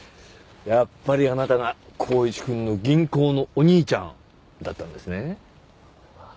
やっぱりあなたが光一くんの「銀行のお兄ちゃん」だったんですね。あっ。